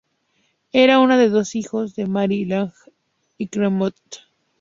Era una de los dos hijos de Mary Jane Vial Clairmont.